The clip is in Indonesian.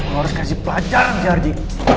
lu harus kasih bajaran sih ardi